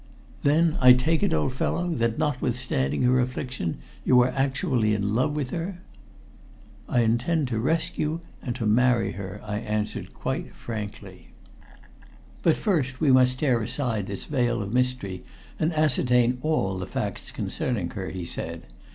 "Then I take it, old fellow, that notwithstanding her affliction, you are actually in love with her?" "I intend to rescue, and to marry her," I answered quite frankly. "But first we must tear aside this veil of mystery and ascertain all the facts concerning her," he said.